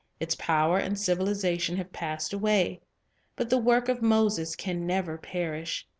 Its power and civilization have passed away. But the work of Moses can never perish.